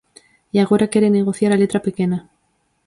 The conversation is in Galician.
E agora quere negociar a letra pequena.